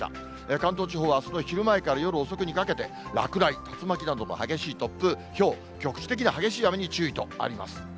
関東地方はあすの昼前から夜遅くにかけて、落雷、竜巻などの激しい突風、ひょう、局地的な激しい雨に注意とあります。